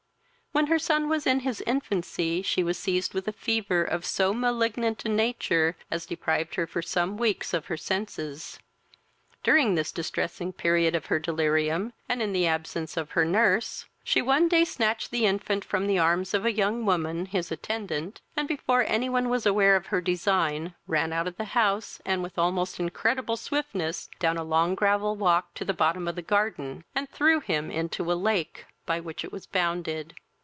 When her son was in his infancy, she was seized with a fever of so malignant a nature, as deprived her for some weeks of her senses: during this distressing period of her delirium, and in the absence of her nurse, she one day snatched the infant from the arms of a young woman, his attendant, and, before any one was aware of her design, ran out of the house, and with almost incredible swiftness down a long gravel walk to the bottom of the garden, and threw him into a lake, by which it was bounded.